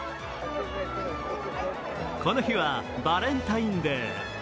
この日はバレンタインデー。